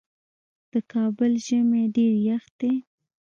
د کابل ژمی ډیر یخ دی